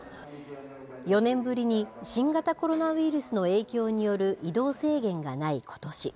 ４年ぶりに新型コロナウイルスの影響による移動制限がないことし。